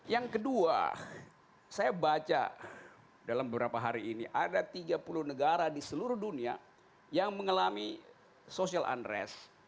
yang kedua saya baca dalam beberapa hari ini ada tiga puluh negara di seluruh dunia yang mengalami social unress